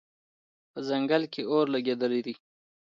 په ځنګل کې اور لګېدلی دی